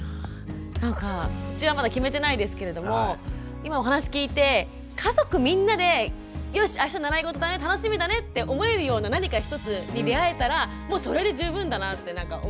なんかうちはまだ決めてないですけれども今お話聞いて家族みんなでよしあした習いごとだね楽しみだねって思えるような何か一つに出会えたらもうそれで十分だなってなんか思いましたね。